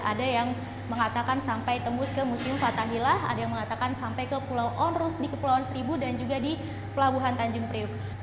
ada yang mengatakan sampai tembus ke museum fathahilah ada yang mengatakan sampai ke pulau onrus di kepulauan seribu dan juga di pelabuhan tanjung priuk